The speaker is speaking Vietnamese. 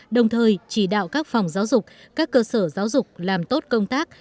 đồng thời chỉ đạo các phòng giáo dục các cơ sở giáo dục làm tốt công tác